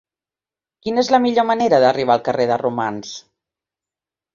Quina és la millor manera d'arribar al carrer de Romans?